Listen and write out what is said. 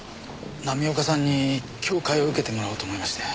浪岡さんに教誨を受けてもらおうと思いまして。